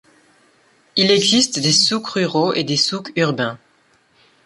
Il existe des souks ruraux et des souks urbains.